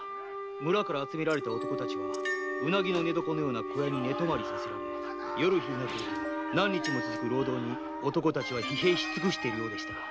村から集められた男たちはウナギの寝床のような小屋に寝泊まりさせられ夜昼なく何日も続く労働に男たちは疲弊し尽くしているようでした。